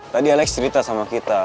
tadi alex cerita sama kita